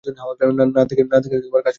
না দেখেই কাজ করো।